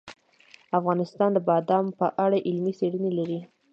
افغانستان د بادام په اړه علمي څېړنې لري.